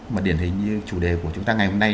mà điển hình như chủ đề của chúng ta ngày hôm nay